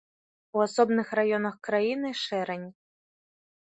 У асобных раёнах краіны шэрань.